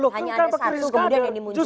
hanya ada satu kemudian yang dimunculkan